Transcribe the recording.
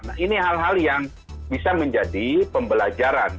nah ini hal hal yang bisa menjadi pembelajaran